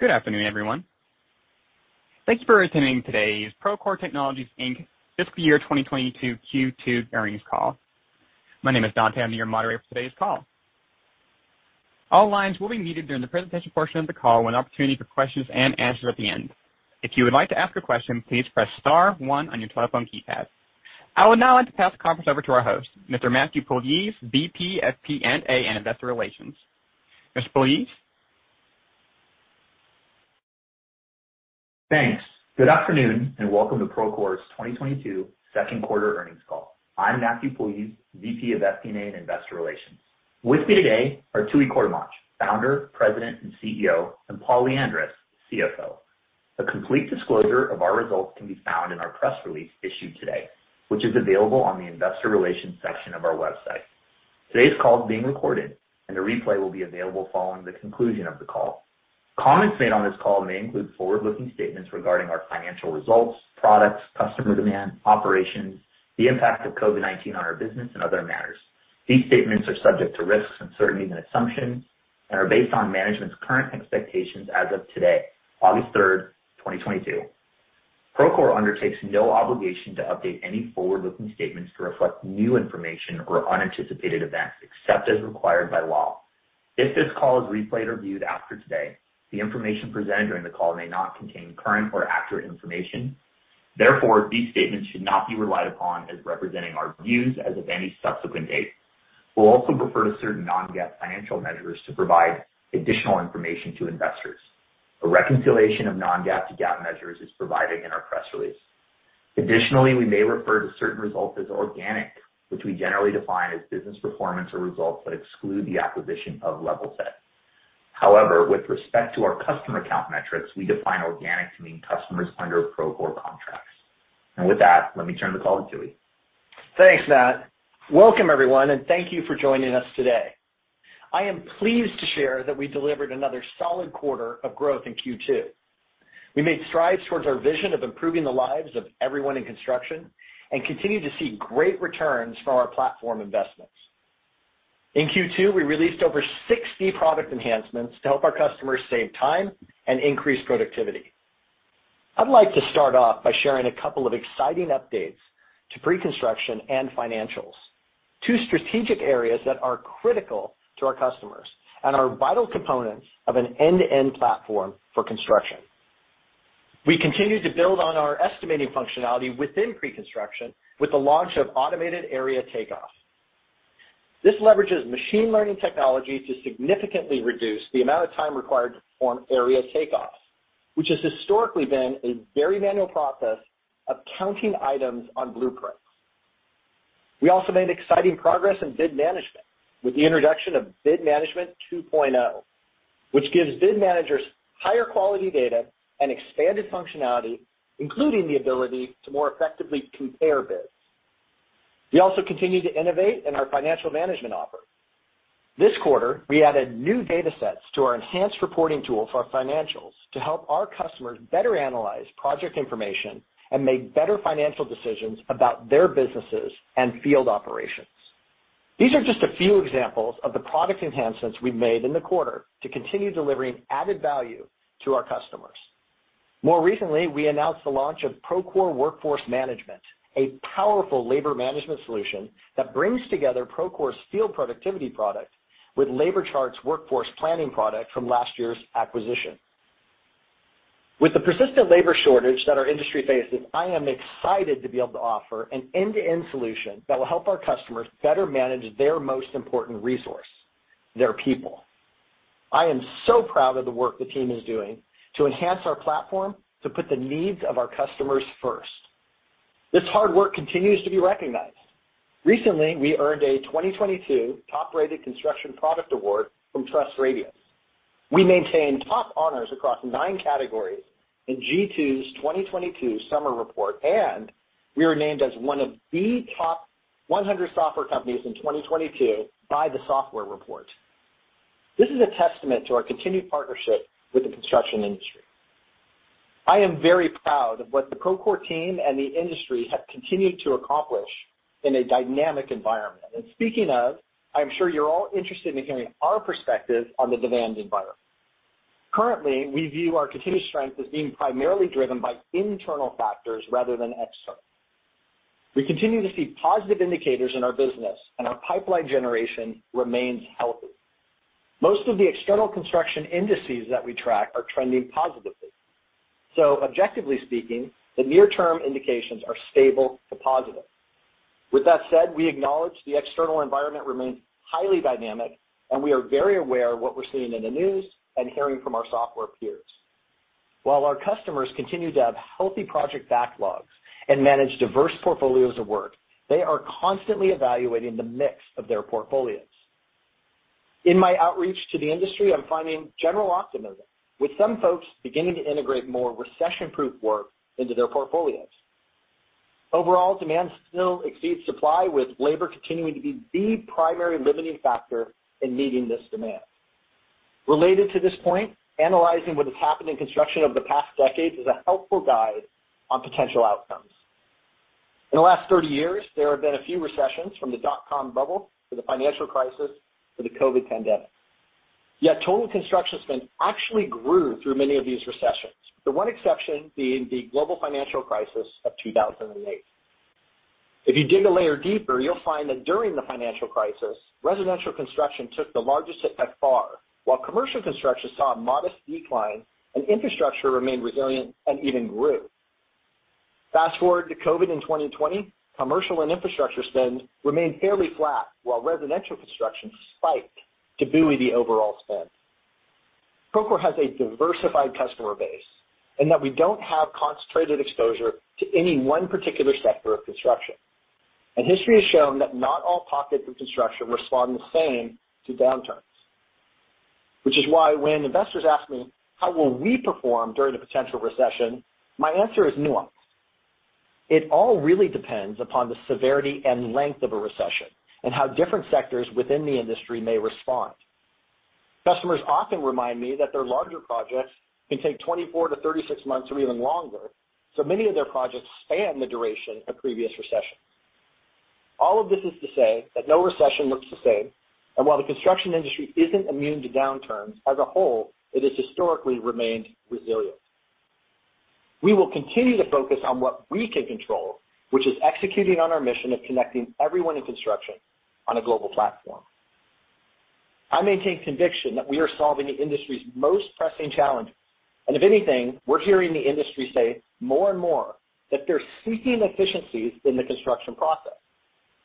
Good afternoon, everyone. Thank you for attending today's Procore Technologies, Inc. fiscal year 2022 Q2 earnings call. My name is Dante, I'm your moderator for today's call. All lines will be muted during the presentation portion of the call with an opportunity for questions and answers at the end. If you would like to ask a question, please press star one on your telephone keypad. I would now like to pass the conference over to our host, Mr. Matthew Puljiz, VP of FP&A and Investor Relations. Mr. Puljiz? Thanks. Good afternoon, and welcome to Procore's 2022 second quarter earnings call. I'm Matthew Puljiz, VP of FP&A and Investor Relations. With me today are Tooey Courtemanche, Founder, President, and CEO, and Paul Lyandres, CFO. A complete disclosure of our results can be found in our press release issued today, which is available on the investor relations section of our website. Today's call is being recorded and a replay will be available following the conclusion of the call. Comments made on this call may include forward-looking statements regarding our financial results, products, customer demand, operations, the impact of COVID-19 on our business, and other matters. These statements are subject to risks, uncertainties, and assumptions and are based on management's current expectations as of today, August 3, 2022. Procore undertakes no obligation to update any forward-looking statements to reflect new information or unanticipated events, except as required by law. If this call is replayed or viewed after today, the information presented during the call may not contain current or accurate information. Therefore, these statements should not be relied upon as representing our views as of any subsequent date. We'll also refer to certain non-GAAP financial measures to provide additional information to investors. A reconciliation of non-GAAP to GAAP measures is provided in our press release. Additionally, we may refer to certain results as organic, which we generally define as business performance or results that exclude the acquisition of Levelset. However, with respect to our customer count metrics, we define organic to mean customers under Procore contracts. With that, let me turn the call to Tooey. Thanks, Matt. Welcome, everyone, and thank you for joining us today. I am pleased to share that we delivered another solid quarter of growth in Q2. We made strides towards our vision of improving the lives of everyone in construction and continue to see great returns from our platform investments. In Q2, we released over 60 product enhancements to help our customers save time and increase productivity. I'd like to start off by sharing a couple of exciting updates to Pre-construction and Financials, two strategic areas that are critical to our customers and are vital components of an end-to-end platform for construction. We continue to build on our estimating functionality within Pre-construction with the launch of automated area takeoffs. This leverages machine learning technology to significantly reduce the amount of time required to perform area takeoffs, which has historically been a very manual process of counting items on blueprints. We also made exciting progress in bid management with the introduction of Bid Management 2.0, which gives bid managers higher quality data and expanded functionality, including the ability to more effectively compare bids. We also continue to innovate in our Financial Management Offer. This quarter, we added new datasets to our enhanced reporting tool for our financials to help our customers better analyze project information and make better financial decisions about their businesses and field operations. These are just a few examples of the product enhancements we've made in the quarter to continue delivering added value to our customers. More recently, we announced the launch of Procore Workforce Management, a powerful labor management solution that brings together Procore's field productivity product with LaborChart's workforce planning product from last year's acquisition. With the persistent labor shortage that our industry faces, I am excited to be able to offer an end-to-end solution that will help our customers better manage their most important resource, their people. I am so proud of the work the team is doing to enhance our platform to put the needs of our customers first. This hard work continues to be recognized. Recently, we earned a 2022 Top-rated Construction Product Award from TrustRadius. We maintained top honors across nine categories in G2's 2022 summer report, and we were named as one of the Top 100 Software Companies in 2022 by The Software Report. This is a testament to our continued partnership with the construction industry. I am very proud of what the Procore team and the industry have continued to accomplish in a dynamic environment. Speaking of, I'm sure you're all interested in hearing our perspective on the demand environment. Currently, we view our continued strength as being primarily driven by internal factors rather than external. We continue to see positive indicators in our business, and our pipeline generation remains healthy. Most of the external construction indices that we track are trending positively. Objectively speaking, the near-term indications are stable to positive. With that said, we acknowledge the external environment remains highly dynamic, and we are very aware of what we're seeing in the news and hearing from our software peers. While our customers continue to have healthy project backlogs and manage diverse portfolios of work, they are constantly evaluating the mix of their portfolios. In my outreach to the industry, I'm finding general optimism, with some folks beginning to integrate more recession-proof work into their portfolios. Overall, demand still exceeds supply, with labor continuing to be the primary limiting factor in meeting this demand. Related to this point, analyzing what has happened in construction over the past decades is a helpful guide on potential outcomes. In the last 30 years, there have been a few recessions from the dot-com bubble to the financial crisis to the COVID pandemic. Yet total construction spend actually grew through many of these recessions, the one exception being the global financial crisis of 2008. If you dig a layer deeper, you'll find that during the financial crisis, residential construction took the largest hit by far. While commercial construction saw a modest decline and infrastructure remained resilient and even grew. Fast-forward to COVID in 2020, commercial and infrastructure spend remained fairly flat while residential construction spiked to buoy the overall spend. Procore has a diversified customer base and that we don't have concentrated exposure to any one particular sector of construction. History has shown that not all pockets of construction respond the same to downturns. Which is why when investors ask me, how will we perform during a potential recession? My answer is nuanced. It all really depends upon the severity and length of a recession and how different sectors within the industry may respond. Customers often remind me that their larger projects can take 24 months-36 months or even longer, so many of their projects span the duration of previous recessions. All of this is to say that no recession looks the same, and while the construction industry isn't immune to downturns as a whole, it has historically remained resilient. We will continue to focus on what we can control, which is executing on our mission of connecting everyone in construction on a global platform. I maintain conviction that we are solving the industry's most pressing challenges, and if anything, we're hearing the industry say more and more that they're seeking efficiencies in the construction process,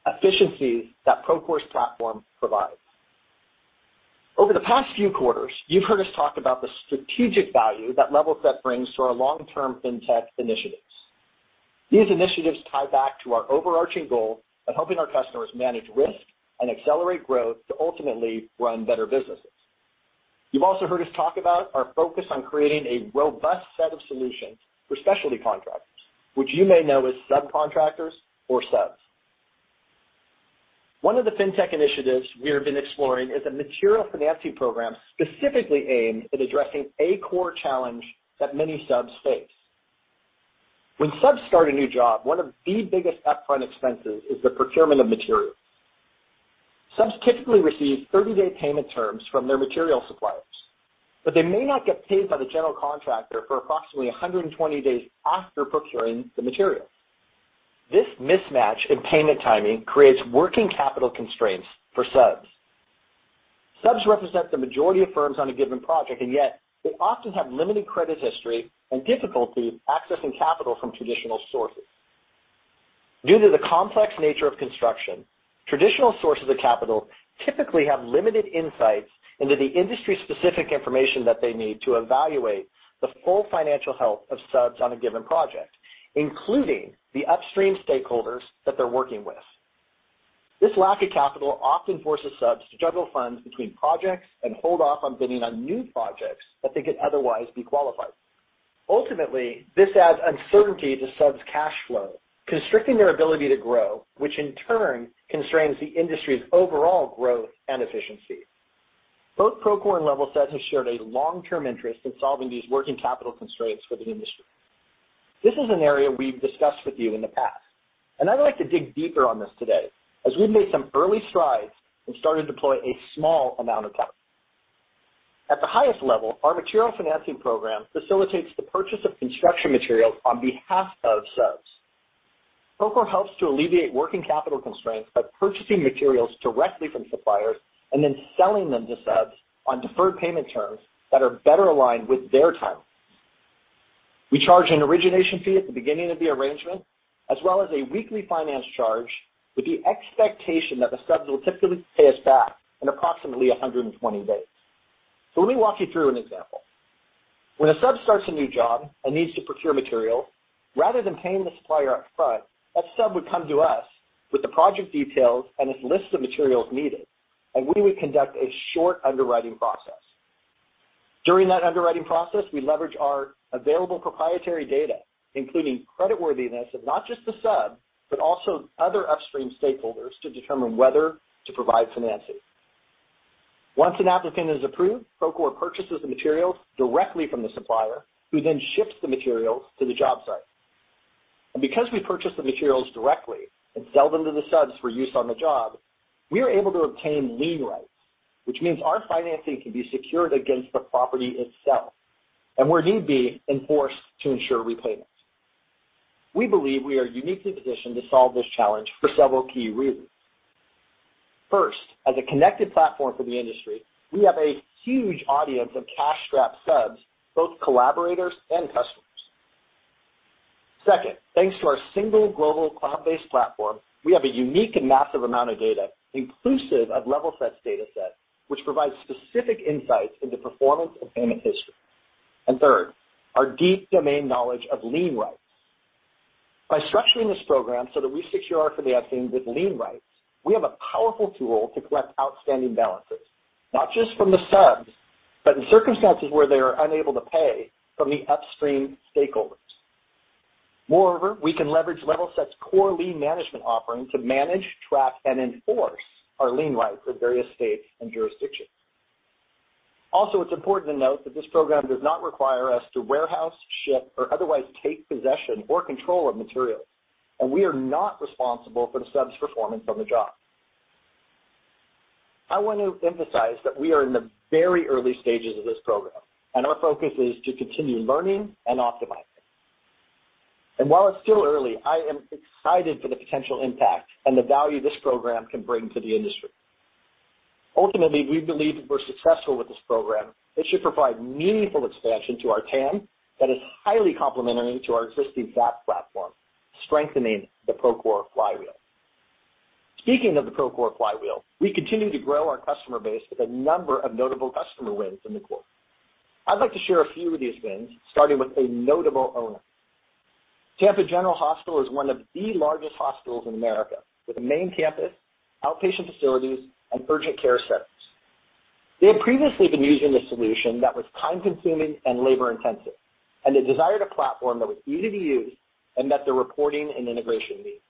efficiencies that Procore's platform provides. Over the past few quarters, you've heard us talk about the strategic value that Levelset brings to our long-term fintech initiatives. These initiatives tie back to our overarching goal of helping our customers manage risk and accelerate growth to ultimately run better businesses. You've also heard us talk about our focus on creating a robust set of solutions for Specialty Contractors, which you may know as Subcontractors or Subs. One of the fintech initiatives we have been exploring is a material financing program specifically aimed at addressing a core challenge that many Subs face. When Subs start a new job, one of the biggest upfront expenses is the procurement of materials. Subs typically receive 30-day payment terms from their material suppliers, but they may not get paid by the general contractor for approximately 120 days after procuring the material. This mismatch in payment timing creates working capital constraints for Subs. Subs represent the majority of firms on a given project, and yet they often have limited credit history and difficulty accessing capital from traditional sources. Due to the complex nature of construction, traditional sources of capital typically have limited insights into the industry-specific information that they need to evaluate the full financial health of Subs on a given project, including the upstream stakeholders that they're working with. This lack of capital often forces Subs to juggle funds between projects and hold off on bidding on new projects that they could otherwise be qualified. Ultimately, this adds uncertainty to Subs' cash flow, constricting their ability to grow, which in turn constrains the industry's overall growth and efficiency. Both Procore and Levelset have shared a long-term interest in solving these working capital constraints for the industry. This is an area we've discussed with you in the past, and I'd like to dig deeper on this today as we've made some early strides and started to deploy a small amount of capital. At the highest level, our Material Financing Program facilitates the purchase of construction materials on behalf of Subs. Procore helps to alleviate working capital constraints by purchasing materials directly from suppliers and then selling them to Subs on deferred payment terms that are better aligned with their timelines. We charge an origination fee at the beginning of the arrangement, as well as a weekly finance charge, with the expectation that the Subs will typically pay us back in approximately 120 days. Let me walk you through an example. When a Sub starts a new job and needs to procure material, rather than paying the supplier up front, that Sub would come to us with the project details and its list of materials needed, and we would conduct a short underwriting process. During that underwriting process, we leverage our available proprietary data, including creditworthiness of not just the Sub, but also other upstream stakeholders, to determine whether to provide financing. Once an applicant is approved, Procore purchases the materials directly from the supplier, who then ships the materials to the job site. Because we purchase the materials directly and sell them to the Subs for use on the job, we are able to obtain lien rights, which means our financing can be secured against the property itself and where need be enforced to ensure repayment. We believe we are uniquely positioned to solve this challenge for several key reasons. First, as a connected platform for the industry, we have a huge audience of cash-strapped Subs, both collaborators and customers. Second, thanks to our single global cloud-based platform, we have a unique and massive amount of data inclusive of Levelset's data set, which provides specific insights into performance and payment history. Third, our deep domain knowledge of lien rights. By structuring this program so that we secure our financing with lien rights, we have a powerful tool to collect outstanding balances, not just from the Subs, but in circumstances where they are unable to pay from the upstream stakeholders. Moreover, we can leverage Levelset's core lien management offering to manage, track, and enforce our lien rights with various states and jurisdictions. Also, it's important to note that this program does not require us to warehouse, ship, or otherwise take possession or control of materials, and we are not responsible for the Subs' performance on the job. I want to emphasize that we are in the very early stages of this program, and our focus is to continue learning and optimizing. While it's still early, I am excited for the potential impact and the value this program can bring to the industry. Ultimately, we believe if we're successful with this program, it should provide meaningful expansion to our TAM that is highly complementary to our existing VAP platform, strengthening the Procore flywheel. Speaking of the Procore flywheel, we continue to grow our customer base with a number of notable customer wins in the quarter. I'd like to share a few of these wins, starting with a notable owner. Tampa General Hospital is one of the largest hospitals in America, with a main campus, outpatient facilities, and urgent care centers. They had previously been using a solution that was time-consuming and labor-intensive, and they desired a platform that was easy to use and met their reporting and integration needs.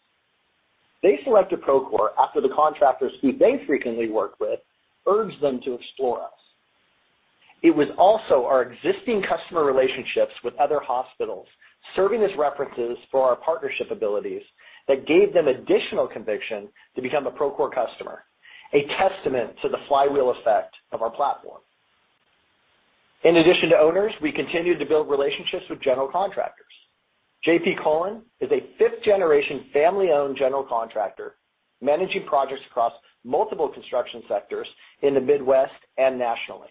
They selected Procore after the contractors who they frequently work with urged them to explore us. It was also our existing customer relationships with other hospitals, serving as references for our partnership abilities that gave them additional conviction to become a Procore customer, a testament to the flywheel effect of our platform. In addition to owners, we continued to build relationships with general contractors. JP Cullen, Inc. is a fifth-generation, family-owned general contractor managing projects across multiple construction sectors in the Midwest and nationally.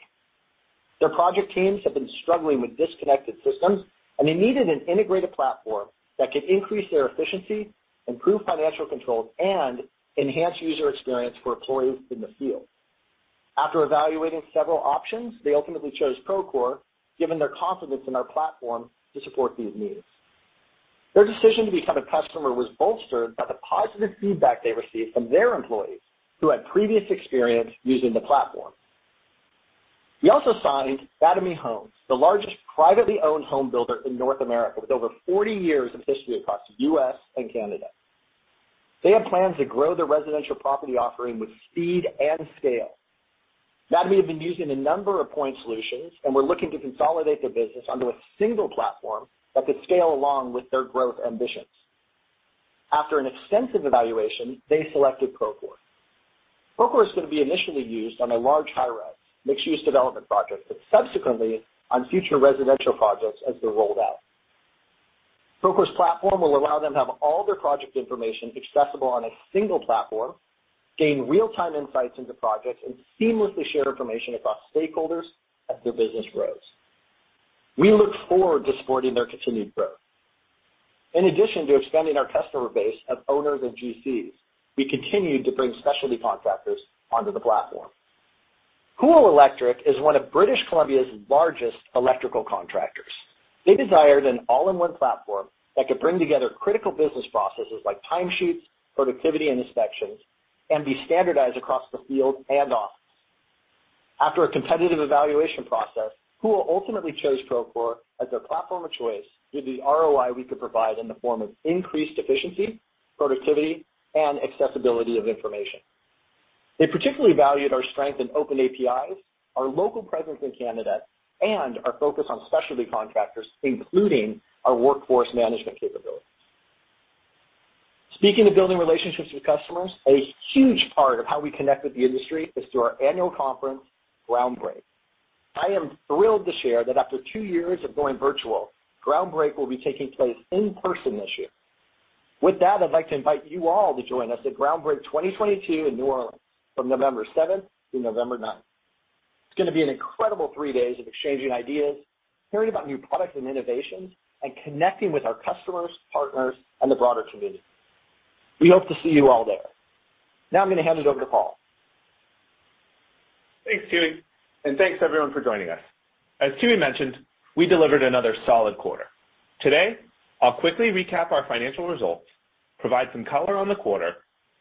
Their project teams have been struggling with disconnected systems, and they needed an integrated platform that could increase their efficiency, improve financial controls, and enhance user experience for employees in the field. After evaluating several options, they ultimately chose Procore, given their confidence in our platform to support these needs. Their decision to become a customer was bolstered by the positive feedback they received from their employees who had previous experience using the platform. We also signed Mattamy Homes, the largest privately owned home builder in North America, with over 40 years of history across U.S. and Canada. They have plans to grow their residential property offering with speed and scale. Mattamy had been using a number of point solutions and were looking to consolidate their business under a single platform that could scale along with their growth ambitions. After an extensive evaluation, they selected Procore. Procore is going to be initially used on a large high-rise mixed-use development project, but subsequently on future residential projects as they're rolled out. Procore's platform will allow them to have all their project information accessible on a single platform, gain real-time insights into projects, and seamlessly share information across stakeholders as their business grows. We look forward to supporting their continued growth. In addition to expanding our customer base of owners and GCs, we continued to bring Specialty Contractors onto the platform. Houle Electric is one of British Columbia's largest electrical contractors. They desired an all-in-one platform that could bring together critical business processes like timesheets, productivity, and inspections, and be standardized across the field and office. After a competitive evaluation process, Houle ultimately chose Procore as their platform of choice due to the ROI we could provide in the form of increased efficiency, productivity, and accessibility of information. They particularly valued our strength in open APIs, our local presence in Canada, and our focus on Specialty Contractors, including our workforce management capabilities. Speaking of building relationships with customers, a huge part of how we connect with the industry is through our Annual Conference, Groundbreak. I am thrilled to share that after two years of going virtual, Groundbreak will be taking place in person this year. With that, I'd like to invite you all to join us at Groundbreak 2022 in New Orleans from November seventh through November 9th. It's gonna be an incredible three days of exchanging ideas, hearing about new products and innovations, and connecting with our customers, partners, and the broader community. We hope to see you all there. Now I'm gonna hand it over to Paul. Thanks, Tooey. Thanks, everyone, for joining us. As Tooey mentioned, we delivered another solid quarter. Today, I'll quickly recap our financial results, provide some color on the quarter,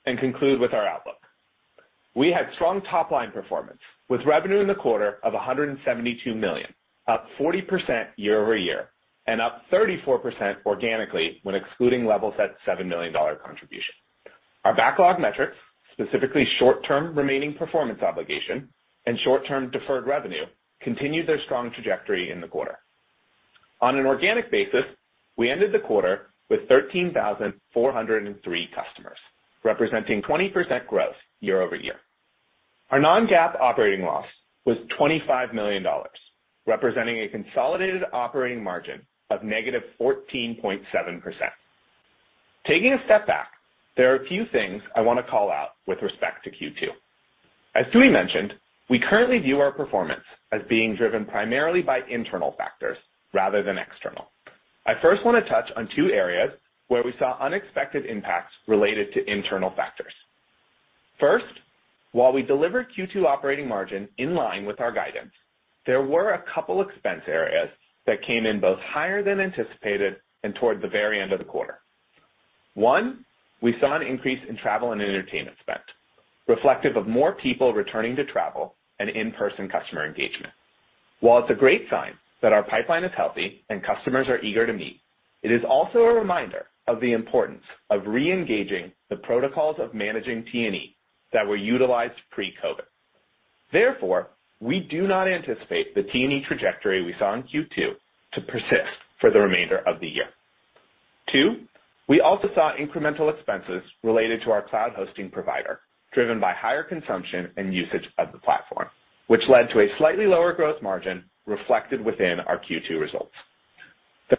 and conclude with our outlook. We had strong top-line performance, with revenue in the quarter of $172 million, up 40% year-over-year and up 34% organically when excluding Levelset's $7 million contribution. Our backlog metrics, specifically short-term remaining performance obligation and short-term deferred revenue, continued their strong trajectory in the quarter. On an organic basis, we ended the quarter with 13,403 customers, representing 20% growth year-over-year. Our non-GAAP operating loss was $25 million, representing a consolidated operating margin of -14.7%. Taking a step back, there are a few things I want to call out with respect to Q2. As Tooey mentioned, we currently view our performance as being driven primarily by internal factors rather than external. I first want to touch on two areas where we saw unexpected impacts related to internal factors. First, while we delivered Q2 operating margin in line with our guidance, there were a couple expense areas that came in both higher than anticipated and toward the very end of the quarter. One, we saw an increase in travel and entertainment spent, reflective of more people returning to travel and in-person customer engagement. While it's a great sign that our pipeline is healthy and customers are eager to meet, it is also a reminder of the importance of re-engaging the protocols of managing T&E that were utilized pre-COVID. Therefore, we do not anticipate the T&E trajectory we saw in Q2 to persist for the remainder of the year. Two, we also saw incremental expenses related to our cloud hosting provider, driven by higher consumption and usage of the platform, which led to a slightly lower growth margin reflected within our Q2 results.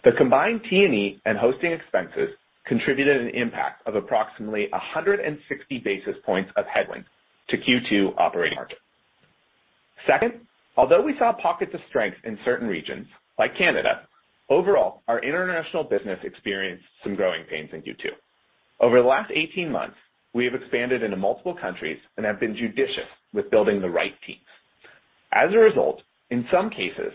The combined T&E and hosting expenses contributed an impact of approximately 160 basis points of headwind to Q2 operating margin. Second, although we saw pockets of strength in certain regions like Canada, overall, our international business experienced some growing pains in Q2. Over the last 18 months, we have expanded into multiple countries and have been judicious with building the right teams. As a result, in some cases,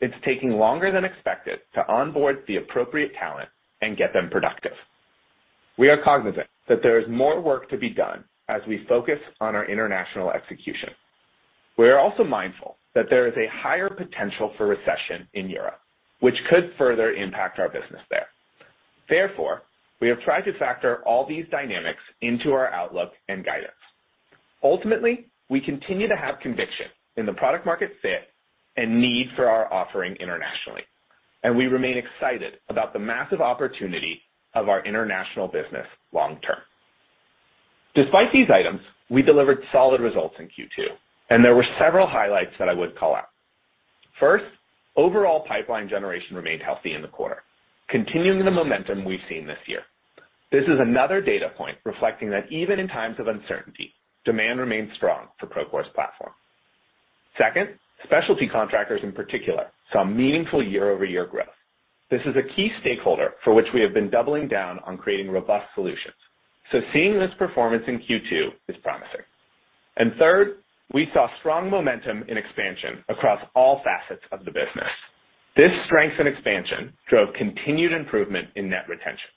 it's taking longer than expected to onboard the appropriate talent and get them productive. We are cognizant that there is more work to be done as we focus on our international execution. We are also mindful that there is a higher potential for recession in Europe, which could further impact our business there. Therefore, we have tried to factor all these dynamics into our outlook and guidance. Ultimately, we continue to have conviction in the product market fit and need for our offering internationally, and we remain excited about the massive opportunity of our international business long term. Despite these items, we delivered solid results in Q2, and there were several highlights that I would call out. First, overall pipeline generation remained healthy in the quarter, continuing the momentum we've seen this year. This is another data point reflecting that even in times of uncertainty, demand remains strong for Procore's platform. Second, Specialty Contractors in particular, saw meaningful year-over-year growth. This is a key stakeholder for which we have been doubling down on creating robust solutions. Seeing this performance in Q2 is promising. Third, we saw strong momentum in expansion across all facets of the business. This strength and expansion drove continued improvement in net retention.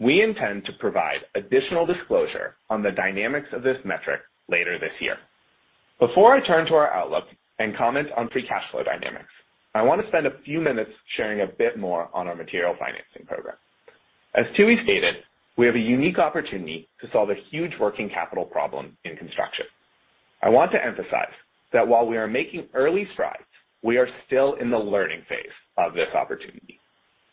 We intend to provide additional disclosure on the dynamics of this metric later this year. Before I turn to our outlook and comment on free cash flow dynamics, I wanna spend a few minutes sharing a bit more on our material financing program. As Tooey stated, we have a unique opportunity to solve a huge working capital problem in construction. I want to emphasize that while we are making early strides, we are still in the learning phase of this opportunity.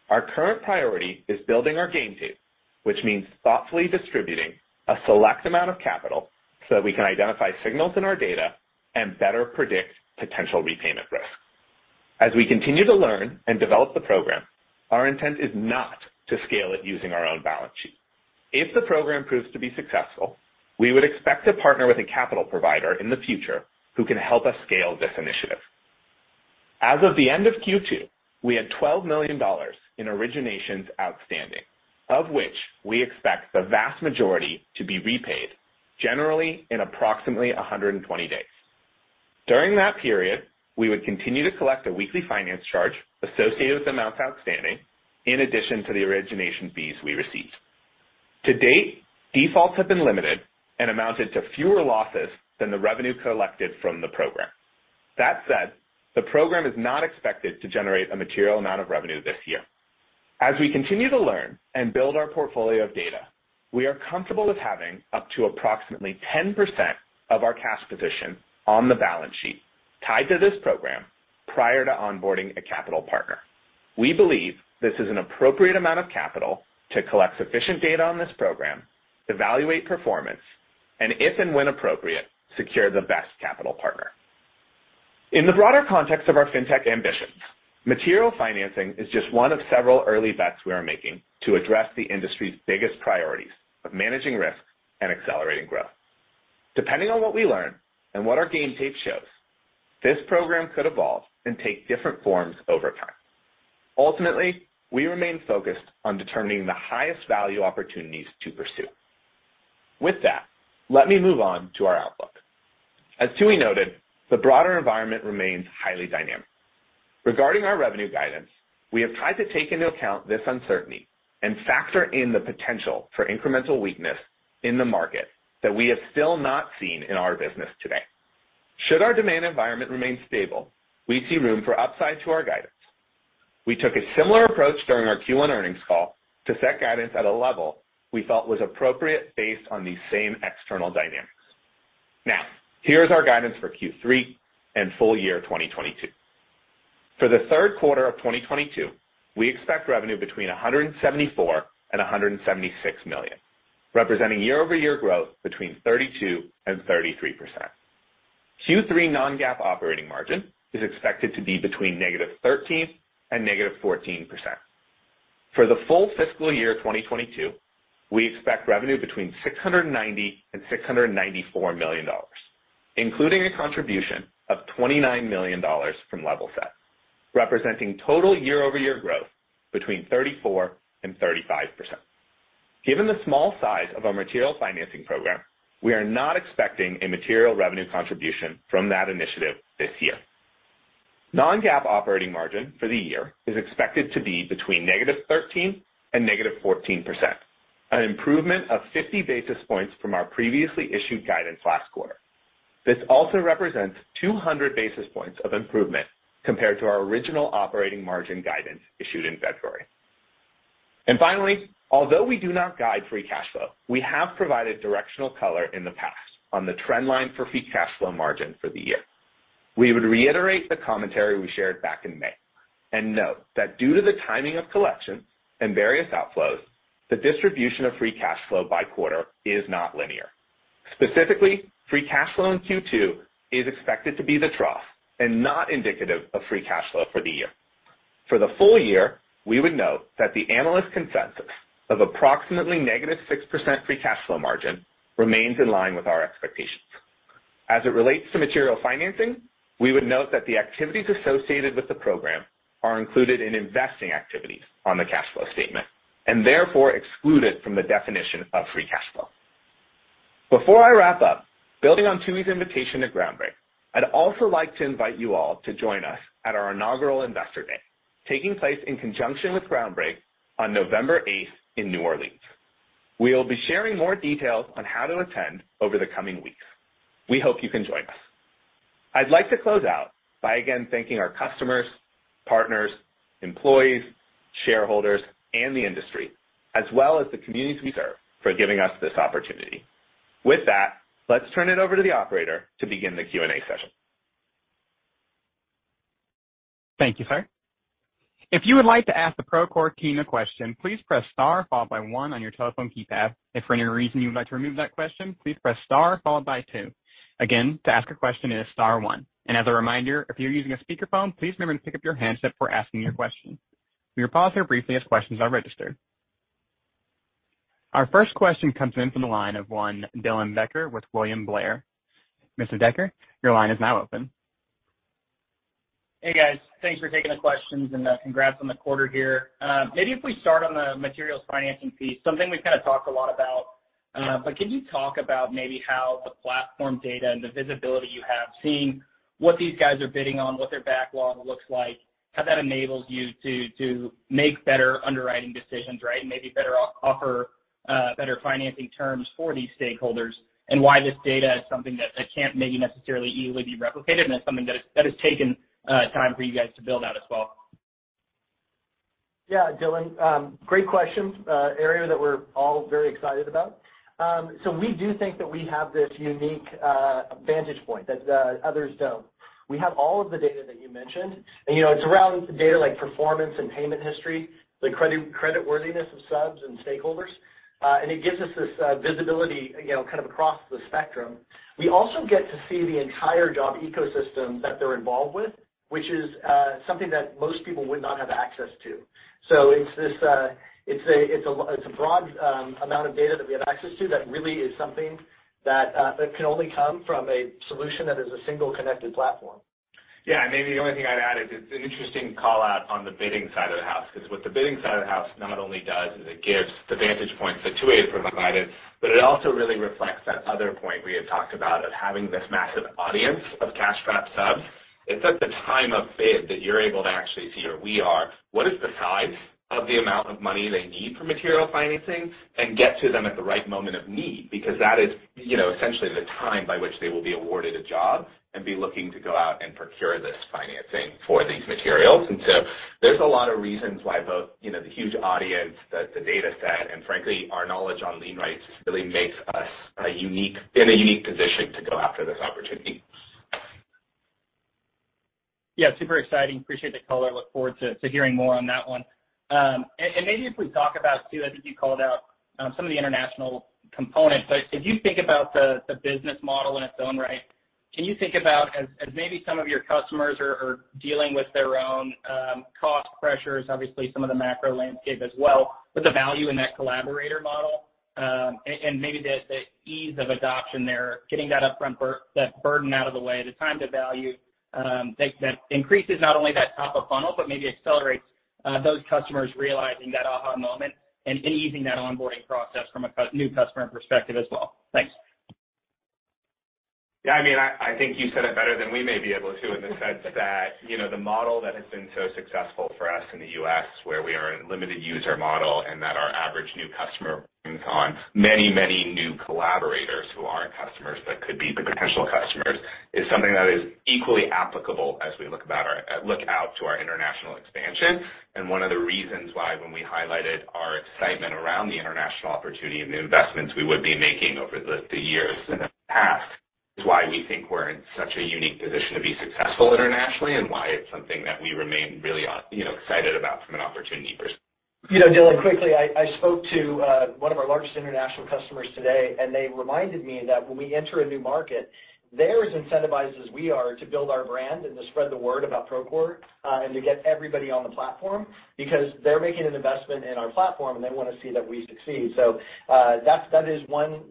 Our current priority is building our game tape, which means thoughtfully distributing a select amount of capital so that we can identify signals in our data and better predict potential repayment risk. As we continue to learn and develop the program, our intent is not to scale it using our own balance sheet. If the program proves to be successful, we would expect to partner with a capital provider in the future who can help us scale this initiative. As of the end of Q2, we had $12 million in originations outstanding, of which we expect the vast majority to be repaid generally in approximately 120 days. During that period, we would continue to collect a weekly finance charge associated with amounts outstanding in addition to the origination fees we received. To date, defaults have been limited and amounted to fewer losses than the revenue collected from the program. That said, the program is not expected to generate a material amount of revenue this year. As we continue to learn and build our portfolio of data, we are comfortable with having up to approximately 10% of our cash position on the balance sheet tied to this program prior to onboarding a capital partner. We believe this is an appropriate amount of capital to collect sufficient data on this program, evaluate performance, and if and when appropriate, secure the best capital partner. In the broader context of our fintech ambitions, material financing is just one of several early bets we are making to address the industry's biggest priorities of managing risk and accelerating growth. Depending on what we learn and what our game tape shows, this program could evolve and take different forms over time. Ultimately, we remain focused on determining the highest value opportunities to pursue. With that, let me move on to our outlook. As Tooey noted, the broader environment remains highly dynamic. Regarding our revenue guidance, we have tried to take into account this uncertainty and factor in the potential for incremental weakness in the market that we have still not seen in our business today. Should our demand environment remain stable, we see room for upside to our guidance. We took a similar approach during our Q1 earnings call to set guidance at a level we felt was appropriate based on these same external dynamics. Now, here's our guidance for Q3 and full year 2022. For the third quarter of 2022, we expect revenue between $174 million and $176 million, representing year-over-year growth between 32% and 33%. Q3 non-GAAP operating margin is expected to be between -13% and -14%. For the full fiscal year 2022, we expect revenue between $690 million and $694 million, including a contribution of $29 million from Levelset, representing total year-over-year growth between 34% and 35%. Given the small size of our material financing program, we are not expecting a material revenue contribution from that initiative this year. Non-GAAP operating margin for the year is expected to be between -13% and -14%. An improvement of 50 basis points from our previously issued guidance last quarter. This also represents 200 basis points of improvement compared to our original operating margin guidance issued in February. Finally, although we do not guide free cash flow, we have provided directional color in the past on the trend line for free cash flow margin for the year. We would reiterate the commentary we shared back in May and note that due to the timing of collections and various outflows, the distribution of free cash flow by quarter is not linear. Specifically, free cash flow in Q2 is expected to be the trough and not indicative of free cash flow for the year. For the full year, we would note that the analyst consensus of approximately -6% free cash flow margin remains in line with our expectations. As it relates to material financing, we would note that the activities associated with the program are included in investing activities on the cash flow statement and therefore excluded from the definition of free cash flow. Before I wrap up, building on Tooey's invitation to Groundbreak, I'd also like to invite you all to join us at our inaugural Investor Day, taking place in conjunction with Groundbreak on November 8th in New Orleans. We'll be sharing more details on how to attend over the coming weeks. We hope you can join us. I'd like to close out by again thanking our customers, partners, employees, shareholders, and the industry, as well as the communities we serve, for giving us this opportunity. With that, let's turn it over to the operator to begin the Q&A session. Thank you, sir. If you would like to ask the Procore team a question, please press star followed by one on your telephone keypad. If for any reason you would like to remove that question, please press star followed by two. Again, to ask a question it is star one. As a reminder, if you're using a speakerphone, please remember to pick up your handset for asking your question. We will pause here briefly as questions are registered. Our first question comes in from the line of Dylan Becker with William Blair. Mr. Becker, your line is now open. Hey, guys. Thanks for taking the questions and congrats on the quarter here. Maybe if we start on the materials financing piece, something we've kind of talked a lot about. Could you talk about maybe how the platform data and the visibility you have, seeing what these guys are bidding on, what their backlog looks like, how that enables you to make better underwriting decisions, right? Maybe better offer, better financing terms for these stakeholders, and why this data is something that can't maybe necessarily easily be replicated and it's something that has taken time for you guys to build out as well. Yeah. Dylan, great question. Area that we're all very excited about. We do think that we have this unique vantage point that others don't. We have all of the data that you mentioned, and you know, it's around data like performance and payment history, the creditworthiness of Subs and stakeholders. And it gives us this visibility, you know, kind of across the spectrum. We also get to see the entire job ecosystem that they're involved with, which is something that most people would not have access to. It's a broad amount of data that we have access to that really is something that can only come from a solution that is a single connected platform. Yeah. Maybe the only thing I'd add is it's an interesting call-out on the bidding side of the house, 'cause what the bidding side of the house not only does is it gives the vantage points that Tooey has provided, but it also really reflects that other point we had talked about of having this massive audience of cash-strapped Subs. It's at the time of bid that you're able to actually see, or we are, what is the size of the amount of money they need for material financing and get to them at the right moment of need, because that is, you know, essentially the time by which they will be awarded a job and be looking to go out and procure this financing for these materials. There's a lot of reasons why both, you know, the huge audience, the data set, and frankly, our knowledge on lien rights really makes us a unique position to go after this opportunity. Yeah, super exciting. Appreciate the color. Look forward to hearing more on that one. And maybe if we talk about too, I think you called out some of the international components, but if you think about the business model in its own right, can you think about maybe some of your customers are dealing with their own cost pressures, obviously some of the macro landscape as well, what the value in that collaborator model, and maybe the ease of adoption there, getting that upfront burden out of the way, the time to value, that increases not only that top of funnel, but maybe accelerates those customers realizing that aha moment and easing that onboarding process from a new customer perspective as well? Thanks. Yeah. I mean, I think you said it better than we may be able to in the sense that, you know, the model that has been so successful for us in the U.S. where we are a limited user model and that our average new customer brings on many, many new collaborators who aren't customers but could be the potential customers, is something that is equally applicable as we look out to our international expansion. One of the reasons why when we highlighted our excitement around the international opportunity and the investments we would be making over the years in the past is why we think we're in such a unique position to be successful internationally and why it's something that we remain really, you know, excited about from an opportunity perspective. You know, Dylan, quickly, I spoke to one of our largest international customers today, and they reminded me that when we enter a new market, they're as incentivized as we are to build our brand and to spread the word about Procore, and to get everybody on the platform because they're making an investment in our platform, and they wanna see that we succeed. That's one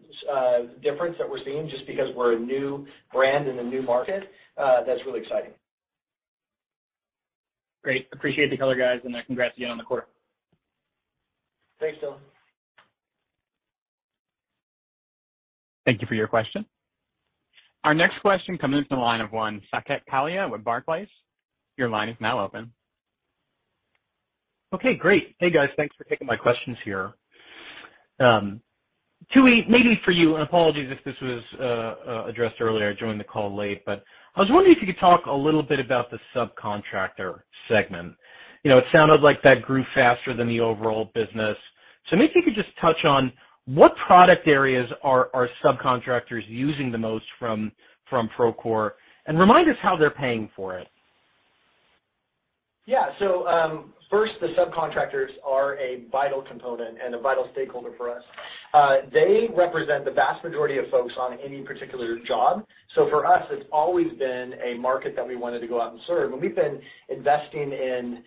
difference that we're seeing just because we're a new brand in a new market, that's really exciting. Great. Appreciate the color, guys, and congrats again on the quarter. Thanks, Dylan. Thank you for your question. Our next question comes in the line of one Saket Kalia with Barclays. Your line is now open. Okay, great. Hey, guys. Thanks for taking my questions here. Tooey, maybe for you, and apologies if this was addressed earlier, I joined the call late, but I was wondering if you could talk a little bit about the Subcontractor segment. You know, it sounded like that grew faster than the overall business. Maybe if you could just touch on what product areas are Subcontractors using the most from Procore, and remind us how they're paying for it? Yeah. First, the Subcontractors are a vital component and a vital stakeholder for us. They represent the vast majority of folks on any particular job. For us, it's always been a market that we wanted to go out and serve. We've been investing in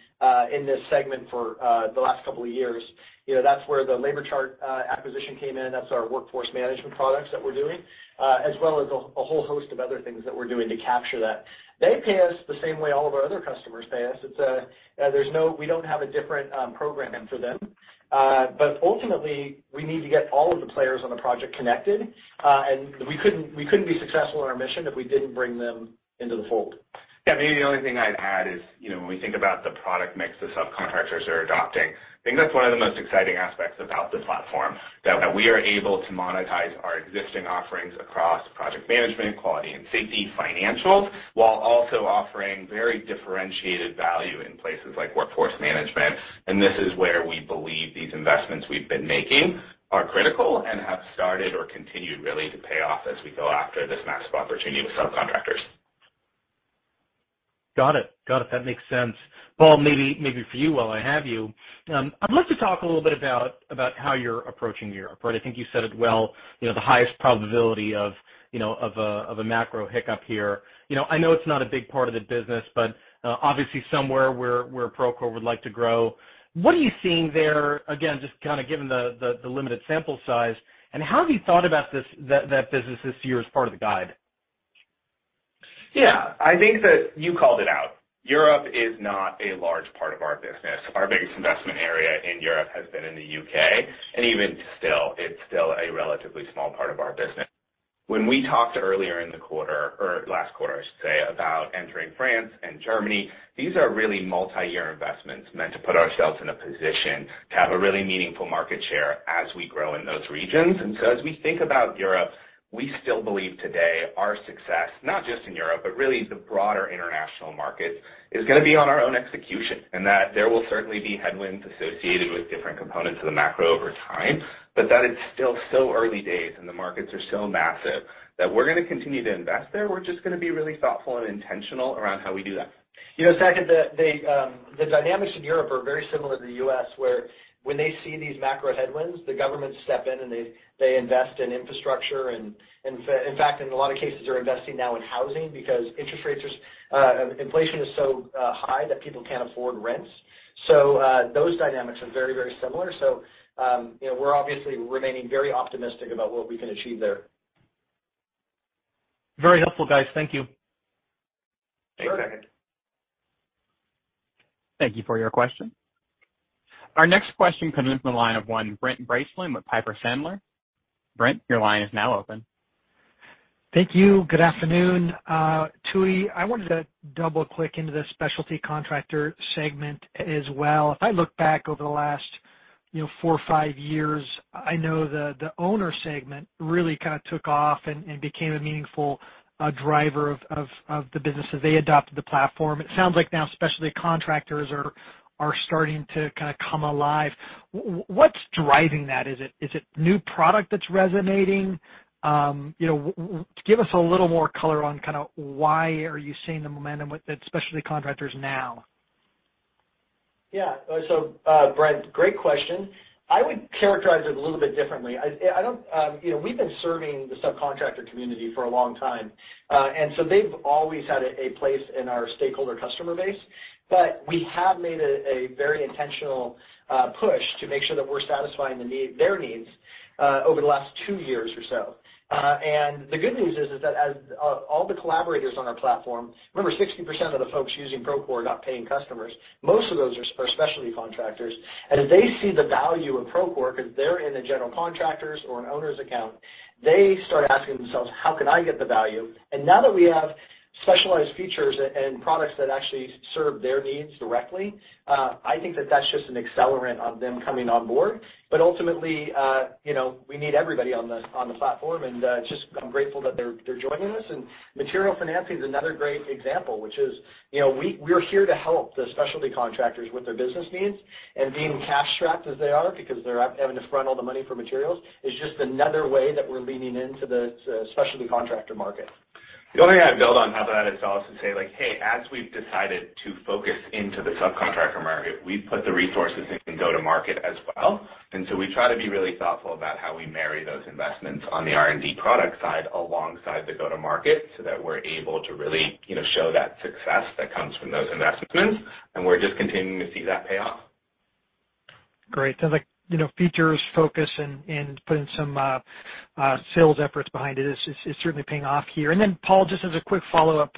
this segment for the last couple of years. You know, that's where the LaborChart acquisition came in. That's our workforce management products that we're doing as well as a whole host of other things that we're doing to capture that. They pay us the same way all of our other customers pay us. We don't have a different pricing for them. Ultimately, we need to get all of the players on the project connected, and we couldn't be successful in our mission if we didn't bring them into the fold. Yeah. Maybe the only thing I'd add is, you know, when we think about the product mix the Subcontractors are adopting, I think that's one of the most exciting aspects about the platform, that we are able to monetize our existing offerings across project management, quality and safety, financials, while also offering very differentiated value in places like workforce management. This is where we believe these investments we've been making are critical and have started or continued really to pay off as we go after this massive opportunity with Subcontractors. Got it. That makes sense. Paul, maybe for you, while I have you, I'd love to talk a little bit about how you're approaching Europe, right? I think you said it well, you know, the highest probability of you know of a macro hiccup here. You know, I know it's not a big part of the business, but obviously somewhere where Procore would like to grow. What are you seeing there? Again, just kind of given the limited sample size. How have you thought about that business this year as part of the guide? Yeah. I think that you called it out. Europe is not a large part of our business. Our biggest investment area in Europe has been in the U.K., and even still, it's still a relatively small part of our business. When we talked earlier in the quarter or last quarter, I should say, about entering France and Germany, these are really multi-year investments meant to put ourselves in a position to have a really meaningful market share as we grow in those regions. As we think about Europe, we still believe today our success, not just in Europe, but really the broader international markets, is gonna be on our own execution. That there will certainly be headwinds associated with different components of the macro over time, but that it's still so early days and the markets are so massive that we're gonna continue to invest there. We're just gonna be really thoughtful and intentional around how we do that. You know, Saket, the dynamics in Europe are very similar to the U.S., where when they see these macro headwinds, the governments step in and they invest in infrastructure. In fact, in a lot of cases are investing now in housing because inflation is so high that people can't afford rents. Those dynamics are very, very similar. You know, we're obviously remaining very optimistic about what we can achieve there. Very helpful, guys. Thank you. Thank you, Saket. Sure. Thank you for your question. Our next question comes from the line of Brent Bracelin with Piper Sandler. Brent, your line is now open. Thank you. Good afternoon. Tooey, I wanted to double-click into the Specialty Contractor segment as well. If I look back over the last, you know, four or five years, I know the owner segment really kinda took off and became a meaningful driver of the business as they adopted the platform. It sounds like now Specialty Contractors are starting to kind of come alive. What's driving that? Is it new product that's resonating? You know, give us a little more color on kind of why are you seeing the momentum with the Specialty Contractors now? Yeah. Brent, great question. I would characterize it a little bit differently. I don't, you know, we've been serving the Subcontractor community for a long time, and so they've always had a place in our stakeholder customer base. We have made a very intentional push to make sure that we're satisfying their needs over the last two years or so. The good news is that as all the collaborators on our platform. Remember, 60% of the folks using Procore are not paying customers. Most of those are Specialty Contractors. If they see the value of Procore 'cause they're in a general contractor's or an owner's account, they start asking themselves, "How can I get the value?" Now that we have specialized features and products that actually serve their needs directly, I think that that's just an accelerant of them coming on board. Ultimately, you know, we need everybody on the platform, and just I'm grateful that they're joining us. Material financing is another great example, which is, you know, we're here to help the Specialty Contractors with their business needs. Being cash strapped as they are because they're having to front all the money for materials is just another way that we're leaning into the Specialty Contractor market. The only thing I'd build on top of that is to also say, like, hey, as we've decided to focus into the Subcontractor market, we put the resources in go-to-market as well. We try to be really thoughtful about how we marry those investments on the R&D product side alongside the go-to-market, so that we're able to really, you know, show that success that comes from those investments. We're just continuing to see that pay off. Great. Sounds like, you know, features, focus, and putting some sales efforts behind it is certainly paying off here. Paul, just as a quick follow-up.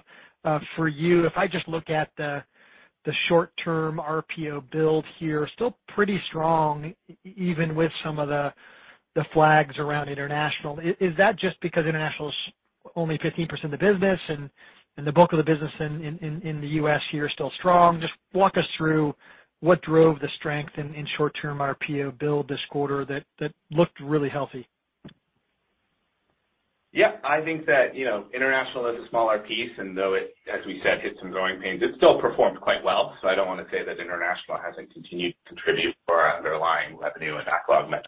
For you, if I just look at the short term RPO build here, still pretty strong even with some of the flags around international. Is that just because international is only 15% of the business and the bulk of the business in the U.S. here is still strong? Just walk us through what drove the strength in short-term RPO build this quarter that looked really healthy. Yeah. I think that, you know, international is a smaller piece, and though it, as we said, hit some growing pains, it still performed quite well. I don't want to say that international hasn't continued to contribute for our underlying revenue and backlog mix.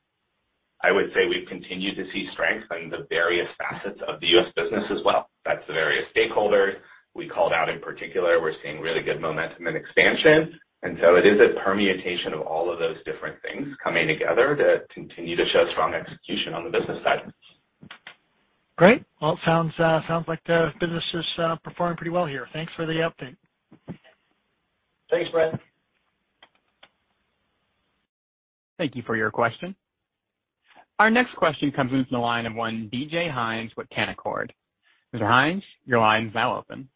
I would say we've continued to see strength in the various facets of the U.S. business as well. That's the various stakeholders we called out. In particular, we're seeing really good momentum and expansion. It is a permutation of all of those different things coming together to continue to show strong execution on the business side. Great. Well, it sounds like the business is performing pretty well here. Thanks for the update. Thanks, Brent Bracelin. Thank you for your question. Our next question comes from the line of David Hynes with Canaccord. Mr. Hynes, your line is now open.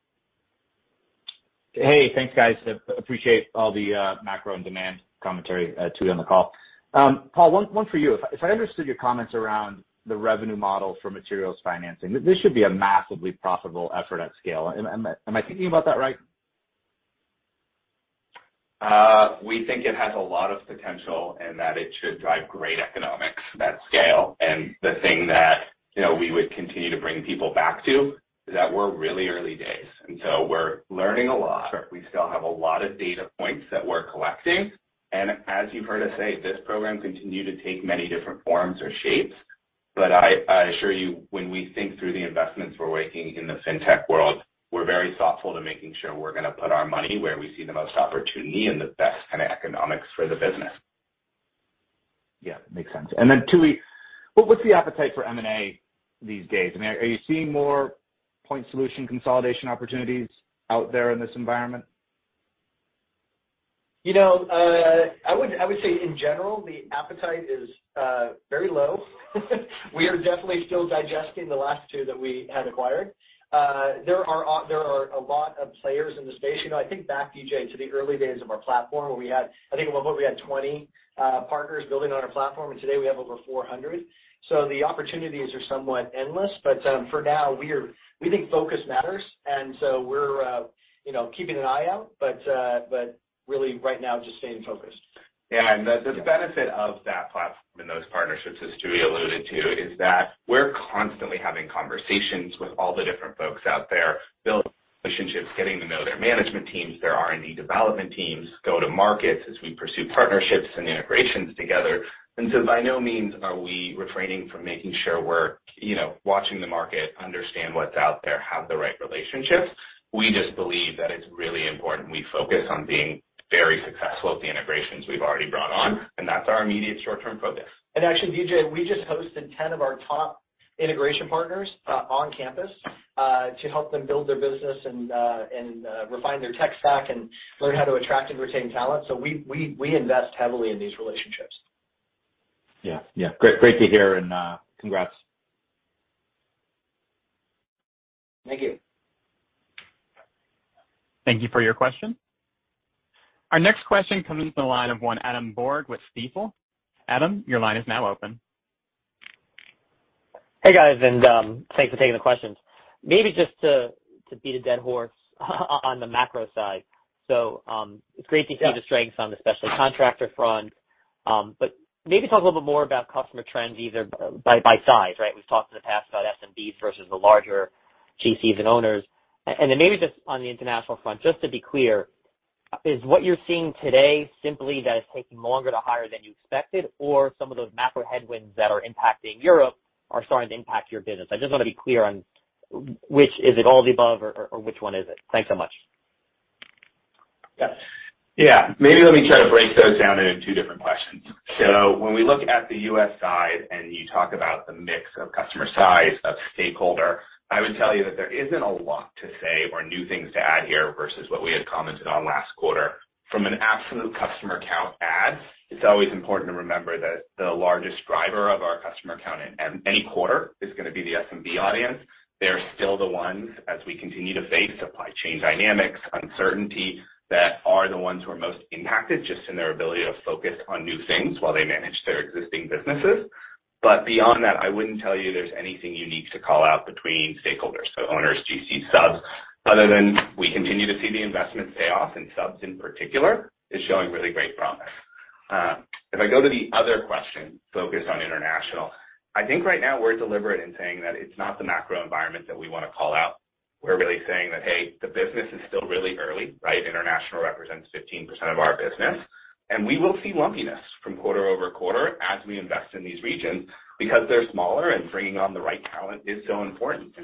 Hey, thanks, guys. Appreciate all the macro and demand commentary to me on the call. Paul, one for you. If I understood your comments around the revenue model for materials financing, this should be a massively profitable effort at scale. Am I thinking about that right? We think it has a lot of potential and that it should drive great economics at scale. The thing that, you know, we would continue to bring people back to is that we're really early days, and so we're learning a lot. Sure. We still have a lot of data points that we're collecting. As you've heard us say, this program continue to take many different forms or shapes. I assure you, when we think through the investments we're making in the fintech world, we're very thoughtful to making sure we're gonna put our money where we see the most opportunity and the best kind of economics for the business. Yeah, makes sense. Tooey, what's the appetite for M&A these days? I mean, are you seeing more point solution consolidation opportunities out there in this environment? You know, I would say in general, the appetite is very low. We are definitely still digesting the last two that we had acquired. There are a lot of players in the space. You know, I think back, David, to the early days of our platform where we had, I think at one point, 20 partners building on our platform, and today we have over 400. So the opportunities are somewhat endless. For now, we think focus matters, and so we're, you know, keeping an eye out. Really right now, just staying focused. Yeah. The benefit of that platform and those partnerships, as Tooey alluded to, is that we're constantly having conversations with all the different folks out there, building relationships, getting to know their management teams, their R&D development teams, go-to-markets as we pursue partnerships and integrations together. By no means are we refraining from making sure we're, you know, watching the market, understand what's out there, have the right relationships. We just believe that it's really important we focus on being very successful at the integrations we've already brought on, and that's our immediate short-term focus. Actually, David, we just hosted 10 of our top integration partners on campus to help them build their business and refine their tech stack and learn how to attract and retain talent. We invest heavily in these relationships. Yeah. Great to hear and congrats. Thank you. Thank you for your question. Our next question comes from the line of Adam Borg with Stifel. Adam, your line is now open. Hey, guys, and thanks for taking the questions. Maybe just to beat a dead horse on the macro side. It's great to see. Yeah. The strengths on the Specialty Contractor front. But maybe talk a little bit more about customer trends, either by size, right? We've talked in the past about SMBs versus the larger GCs and owners. Then maybe just on the international front, just to be clear, is what you're seeing today simply that it's taking longer to hire than you expected or some of those macro headwinds that are impacting Europe are starting to impact your business? I just want to be clear on which is it all of the above or which one is it? Thanks so much. Yeah. Yeah. Maybe let me try to break those down into two different questions. When we look at the U.S. side and you talk about the mix of customer size and stakeholder, I would tell you that there isn't a lot to say or new things to add here versus what we had commented on last quarter. From an absolute customer count add, it's always important to remember that the largest driver of our customer count in any quarter is gonna be the SMB audience. They're still the ones, as we continue to face supply chain dynamics, uncertainty, that are the ones who are most impacted just in their ability to focus on new things while they manage their existing businesses. But beyond that, I wouldn't tell you there's anything unique to call out between stakeholders. Owners, GC, Subs, we continue to see the investment pay off in Subs in particular, is showing really great promise. If I go to the other question focused on international, I think right now we're deliberate in saying that it's not the macro environment that we wanna call out. We're really saying that, hey, the business is still really early, right? International represents 15% of our business, and we will see lumpiness from quarter-over-quarter as we invest in these regions because they're smaller and bringing on the right talent is so important.